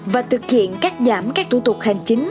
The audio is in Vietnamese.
và thực hiện cắt giảm các thủ tục hành chính